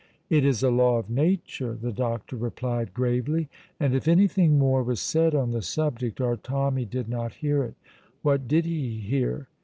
"It is a law of nature," the doctor replied gravely, and if anything more was said on the subject our Tommy did not hear it. What did he hear?